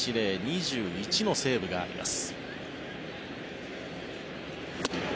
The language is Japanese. ２１のセーブがあります。